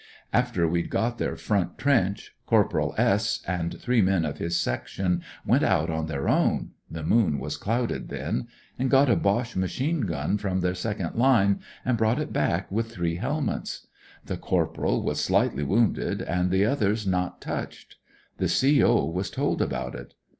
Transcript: After we*d got their front trench, Corporal S and three men of his section went out on their own— the moon was clouded then— and got a Boche machine gun from their second line and brought it back with three helmets. The corporalwas slightly wounded, and the others not touched. The CO. was told about it.